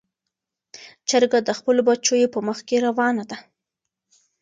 چرګه د خپلو بچیو په مخ کې روانه ده.